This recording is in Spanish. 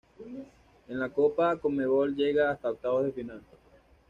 En la Copa Conmebol llega hasta octavos de final.